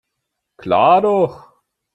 Klar doch.